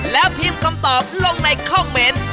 แล้วพิมพ์คำตอบลงในคอมเมนต์